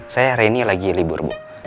saya reni lagi libur bu